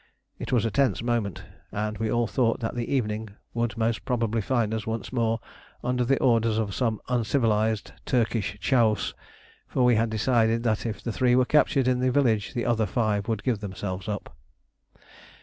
It was a tense moment, and we all thought that the evening would most probably find us once more under the orders of some uncivilised Turkish chaouse; for we had decided that if the three were captured in the village the other five would give themselves up.